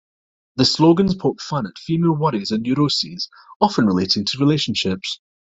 The slogans poke fun at female worries and neuroses, often relating to relationships.